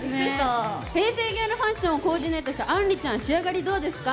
平成ギャルファッションをコーディネートしたあんりちゃん仕上がりどうですか？